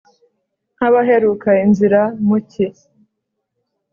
nk’abaheruka inzira mu ki